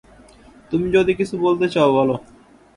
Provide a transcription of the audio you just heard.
তুমি যদি কিছু বলতে চাও, বল।